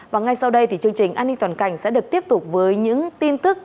và ngay sau đây thì chương trình an ninh toàn cảnh sẽ được tiếp tục với những tin tức